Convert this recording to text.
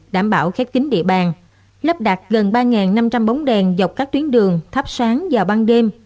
đảm bảo khép kính địa bàn lắp đặt gần ba năm trăm linh bóng đèn dọc các tuyến đường thắp sáng vào ban đêm